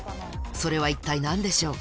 それは一体何でしょう？